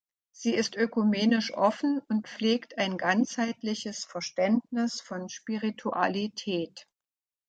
Sie ist ökumenisch offen und pflegt ein ganzheitliches Verständnis von Spiritualität.